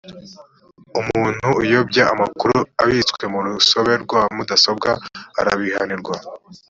umuntu uyobya amakuru abitse mu rusobe rwa mudasobwa arabihanirwa